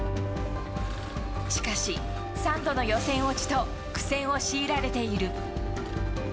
しかし、３度の予選落ちと、苦戦を強いられている。